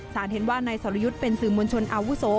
เห็นว่านายสรยุทธ์เป็นสื่อมวลชนอาวุโส